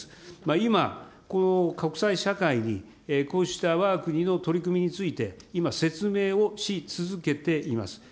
今、この国際社会に、こうしたわが国の取り組みについて、今、説明をし続けています。